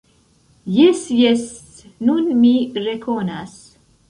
Jes, jes, nun mi rekonas.